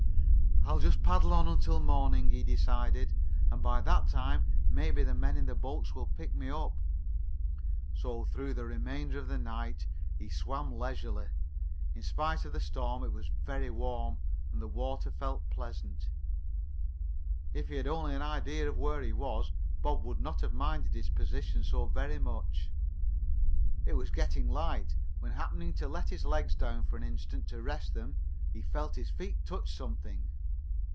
"I'll just paddle on until morning," he decided, "and by that time maybe the men in the boats will pick me up." So, through the remainder of the night, he swam leisurely. In spite of the storm it was very warm and the water felt pleasant. If he had only had an idea of where he was, Bob would not have minded his position so very much. It was just getting light when, happening to let his legs down for an instant to rest them, he felt his feet touch something.